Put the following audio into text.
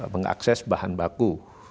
mengakses bahan baku